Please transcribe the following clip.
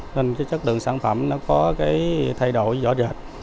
nên cái chất lượng sản phẩm nó có cái thay đổi rõ rệt